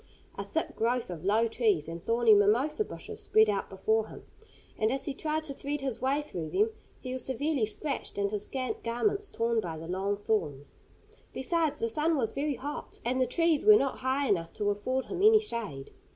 A thick growth of low trees and thorny mimosa bushes spread out before him, and as he tried to thread his way through them he was severely scratched, and his scant garments torn by the long thorns. Besides the sun was very hot, and the trees were not high enough to afford him any shade.